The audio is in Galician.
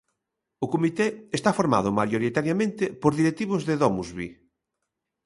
O comité esta formado maioritariamente por directivos de DomusVi.